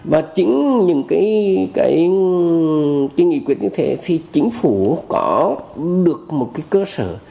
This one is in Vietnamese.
và chính những cái nghị quyết như thế thì chính phủ có được một cái cơ sở